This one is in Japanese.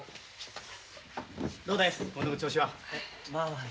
どうだい？